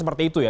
seperti itu ya